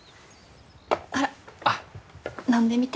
ほら飲んでみて。